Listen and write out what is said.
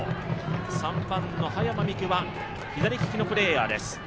３番の早間美空は左利きのプレーヤーです。